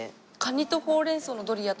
蟹とほうれん草のドリアとか。